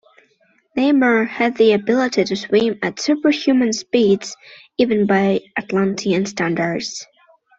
Namor has the ability to swim at superhuman speeds, even by Atlantean standards.